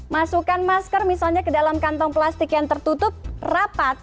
masukkan masker misalnya ke dalam kantong plastik yang tertutup rapat